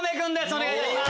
お願いします。